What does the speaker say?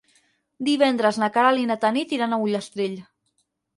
Divendres na Queralt i na Tanit iran a Ullastrell.